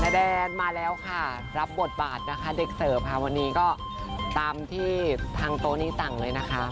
แดนมาแล้วค่ะรับบทบาทนะคะเด็กเสิร์ฟค่ะวันนี้ก็ตามที่ทางโต๊ะนี้สั่งเลยนะคะ